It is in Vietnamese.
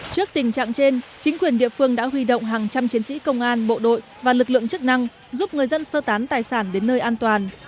trước tình trạng trên chính quyền địa phương đã huy động hàng trăm chiến sĩ công an bộ đội và lực lượng chức năng giúp người dân sơ tán tài sản đến nơi an toàn